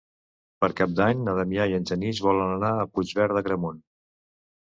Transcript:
Per Cap d'Any na Damià i en Genís volen anar a Puigverd d'Agramunt.